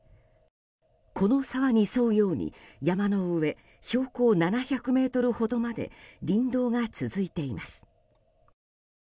この沢に沿うように山の上、標高７００ｍほどまで林道が続いています。